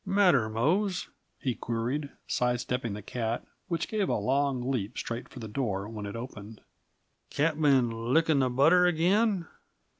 "Matter, Mose?" he queried, sidestepping the cat, which gave a long leap straight for the door, when it opened. "Cat been licking the butter again?"